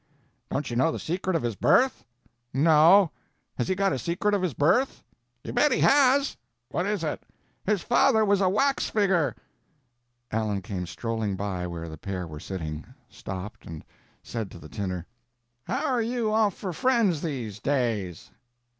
"Don't you know the secret of his birth?" "No! has he got a secret of his birth?" "You bet he has." "What is it?" "His father was a wax figger." Allen came strolling by where the pair were sitting; stopped, and said to the tinner; "How are you off for friends, these days?"